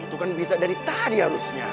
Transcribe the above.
itu kan bisa dari tari harusnya